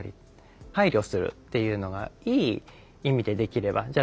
配慮するっていうのがいい意味でできればじゃ